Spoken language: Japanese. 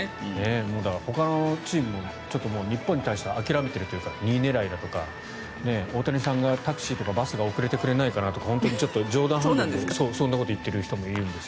ほかのチームも日本に対しては諦めているというか２位狙いだとか大谷さんがタクシーとかバスが遅れてくれないかなとか冗談半分でそんなことを言ってる人がいる。